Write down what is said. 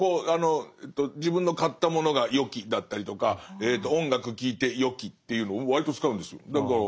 自分の買ったものが「よき」だったりとか音楽聴いて「よき」っていうの割と使うんですよ。